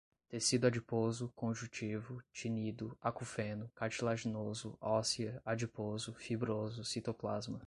tecido adiposo, conjuntivo, tinido, acufeno, cartilaginoso, óssea, adiposo, fibroso, citoplasma